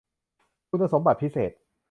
คุณสมบัติพิเศษ